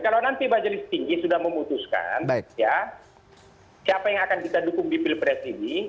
kalau nanti majelis tinggi sudah memutuskan ya siapa yang akan kita dukung di pilpres ini